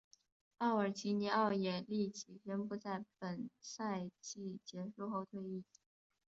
塞尔吉尼奥也立即宣布在本赛季结束后退役。